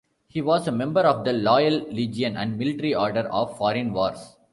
He was a member of the Loyal Legion and Military Order of Foreign Wars.